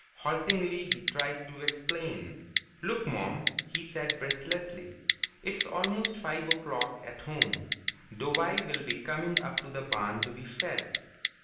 Haltingly, he tried to explain. "Look, Mom," he said breathlessly. "It's almost five o'clock at home. Douwie will be coming up to the barn to be fed.